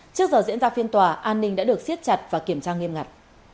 trước giờ diễn ra phiên tòa an ninh đã được siết chặt và kiểm tra nghiêm ngặt